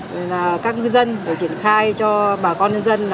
với các ngư dân để triển khai cho bà con nhân dân